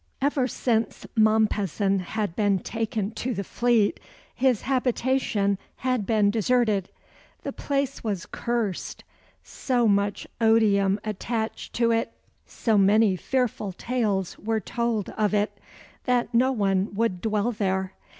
Ever since Mompesson had been taken to the Fleet, his habitation had been deserted. The place was cursed. So much odium attached to it, so many fearful tales were told of it, that no one would dwell there.